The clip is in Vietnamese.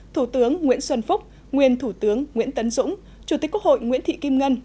thủ tướng nguyễn xuân phúc nguyên thủ tướng nguyễn tấn dũng chủ tịch quốc hội nguyễn thị kim ngân